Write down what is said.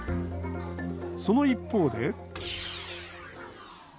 その一方で。